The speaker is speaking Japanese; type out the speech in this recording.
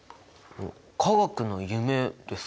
「化学の夢」ですか？